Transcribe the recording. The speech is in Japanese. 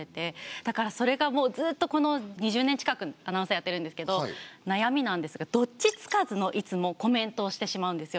だからそれがもうずっとこの２０年近くアナウンサーやってるんですけど悩みなんですがどっちつかずのいつもコメントをしてしまうんですよ。